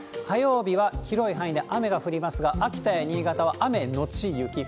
火曜日は広い範囲で雨が降りますが、秋田や新潟は雨後雪。